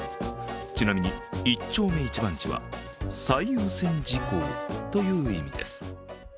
ちなみに、一丁目一番地は最優先事項という意味です。